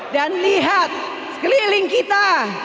dan lihat sekeliling kita